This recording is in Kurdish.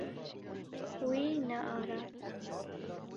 Wî nearast.